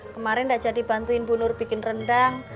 kemarin tidak jadi bantuin bu nur bikin rendang